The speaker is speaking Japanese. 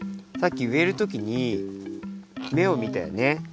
さっきうえる時にめをみたよね。